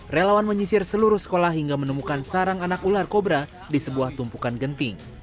relawan menyisir seluruh sekolah hingga menemukan sarang anak ular kobra di sebuah tumpukan genting